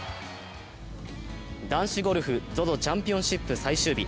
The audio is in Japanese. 男子ゴルフ、ＺＯＺＯチャンピオンシップ最終日。